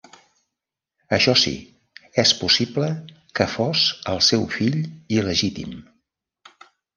Això sí, és possible que fos el seu fill il·legítim.